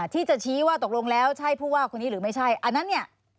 ที่จะชี้ว่าตกลงแล้วใช่ผู้ว่าคนนี้หรือไม่ใช่อันนั้นเนี่ย